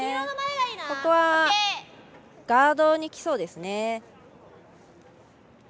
ここはガードに来そうですね。